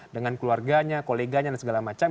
dengan keluarganya koleganya dan segala macam